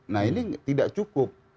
nah ini tidak cukup